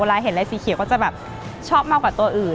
เห็นอะไรสีเขียวก็จะแบบชอบมากกว่าตัวอื่น